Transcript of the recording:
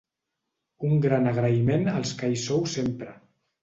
Un gran agraïment als que hi sou sempre.